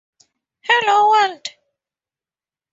Hello World!